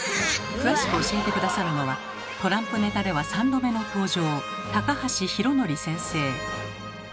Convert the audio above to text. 詳しく教えて下さるのはトランプネタでは３度目の登場